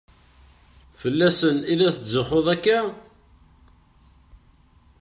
Fell-asen i la tetzuxxuḍ akka?